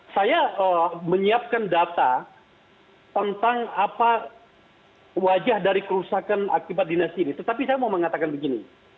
saya menyiapkan data tentang apa wajah dari kerusakan akibat dinasti ini tetapi saya mau mengatakan begini